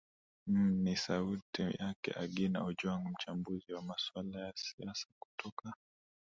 m ni sauti yake agina ojwang mchambuzi wa maswala ya siasa kutoka